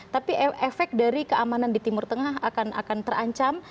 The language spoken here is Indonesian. tapi efek dari keamanan di timur tengah akan terancam